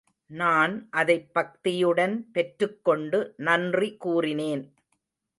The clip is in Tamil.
நான் அதைப் பக்தியுடன் பெற்றுக் கொண்டு நன்றி கூறினேன்.